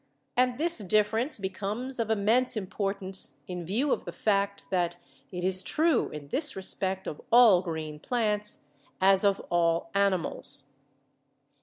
And this difference becomes of immense importance in view of the fact that it is true in this respect of all green plants, as of all animals.